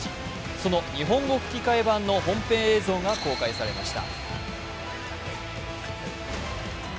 その日本語吹き替え版の本編映像が公開されました。